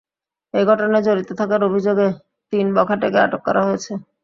এ ঘটনায় জড়িত থাকার অভিযোগে তিন বখাটেকে আটক করা হয়েছে।